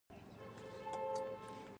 ژوندي له حاله خوند اخلي